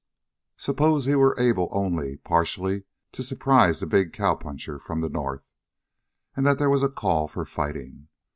Suppose he were able only partially to surprise the big cowpuncher from the north, and that there was a call for fighting.